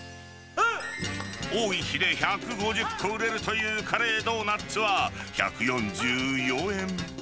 多い日で１５０個売れるというカレードーナツは、１４４円。